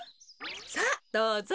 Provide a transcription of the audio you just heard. さあどうぞ。